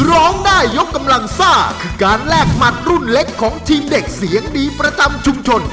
ร้องได้ยกกำลังซ่าคือการแลกหมัดรุ่นเล็กของทีมเด็กเสียงดีประจำชุมชน